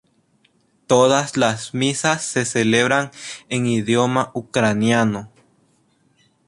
Todas las misas se celebran en idioma ucraniano.